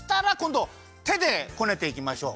どてでこねていきましょう。